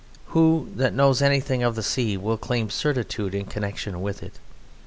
Who that knows anything of the sea will claim certitude in connexion with it?